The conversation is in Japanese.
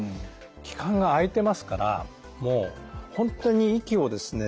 器官が開いてますからもう本当に息をですね